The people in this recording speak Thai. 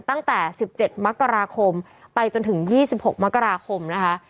ตั้งแต่๑๗มกราคมไปจนถึง๒๖มกราคมนะคะ